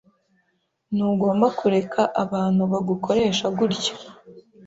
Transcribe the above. Ntugomba kureka abantu bagukoresha gutya.